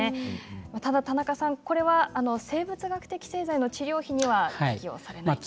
ただ、これは生物学的製剤の治療費には適用されないんですね。